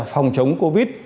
phòng chống covid